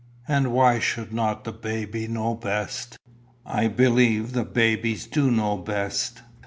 And why should not the baby know best? I believe the babies do know best.